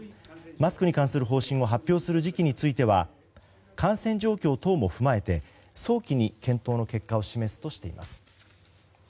マスクに関する方針を発表する時期については感染状況等も踏まえて早期に検討の結果を示すとしています。